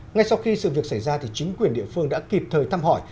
ngay sau khi sự việc xảy ra chính quyền địa phương đã kịp thời thăm hỏi